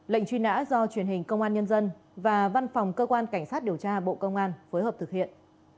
lệnh truy nã do truyền hình công an nhân dân và văn phòng cơ quan cảnh sát điều tra bộ công an phối hợp thực hiện